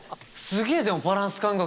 すげー、でもバランス感覚。